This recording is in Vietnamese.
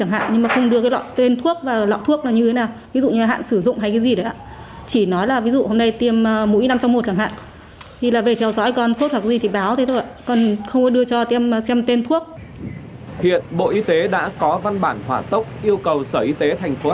hiện bộ y tế đã có văn bản hoạt tốc yêu cầu sở y tế tp hcm